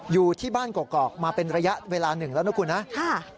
อยู่ที่บ้านกอกมาเป็นระยะเวลาหนึ่งแล้วนะคุณนะ